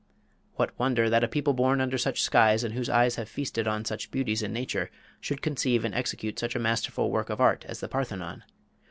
What wonder that a people born under such skies and whose eyes have feasted on such beauties in nature should conceive and execute such a masterful work of art as the Parthenon!